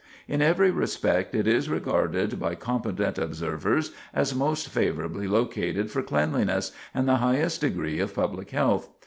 In every respect it is regarded by competent observers as most favorably located for cleanliness, and the highest degree of public health.